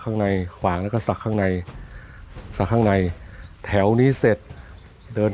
ข้างในขวางแล้วก็สักข้างในสักข้างในแถวนี้เสร็จเดิน